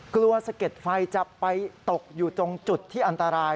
สะเก็ดไฟจะไปตกอยู่ตรงจุดที่อันตราย